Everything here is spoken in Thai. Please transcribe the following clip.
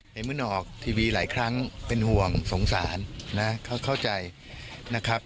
มึงออกทีวีหลายครั้งเป็นห่วงสงสารนะเขาเข้าใจนะครับ